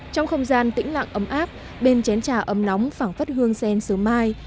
trong không gian tĩnh lặng ấm áp bên chén trà ấm nóng phẳng phất hương sen sớm mai